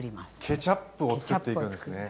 ケチャップをつくっていくんですね。